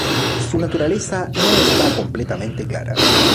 Su naturaleza no está completamente clara.